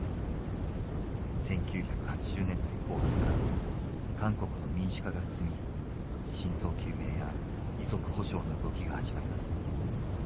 １９８０年代後半から韓国の民主化が進み真相究明や遺族補償の動きが始まります。